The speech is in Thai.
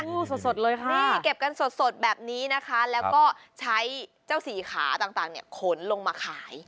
เก็บกันสดเลยค่ะเก็บกันสดแบบนี้นะคะแล้วก็ใช้เจ้าสี่ขาต่างขนลงมาขาย